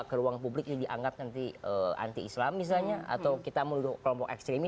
ke ruang publik itu dianggap nanti anti islam misalnya atau kita menuduh kelompok ekstremi